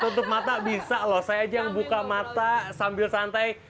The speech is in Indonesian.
tutup mata bisa loh saya aja yang buka mata sambil santai